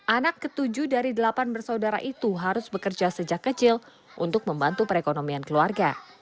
anak ketujuh dari delapan bersaudara itu harus bekerja sejak kecil untuk membantu perekonomian keluarga